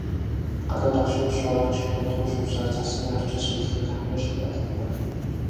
Гадаа догшин шуурга чих нүдгүй шуурсаар, цасан навчис шидлэн цонхны шил алгадна.